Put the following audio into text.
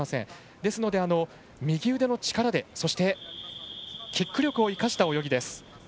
ですので、右腕の力で、そしてキック力を生かした泳ぎです。